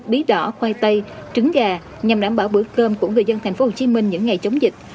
bí đỏ khoai tây trứng gà nhằm đảm bảo bữa cơm của người dân tp hcm những ngày chống dịch